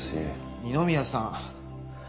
二宮さん。